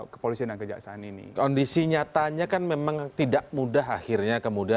kepolisian dan kejaksaan ini